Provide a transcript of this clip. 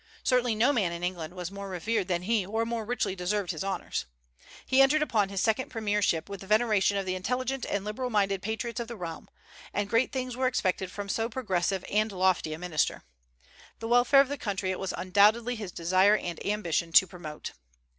Certainly no man in England was more revered than he or more richly deserved his honors. He entered upon his second premiership with the veneration of the intelligent and liberal minded patriots of the realm, and great things were expected from so progressive and lofty a minister. The welfare of the country it was undoubtedly his desire and ambition to promote.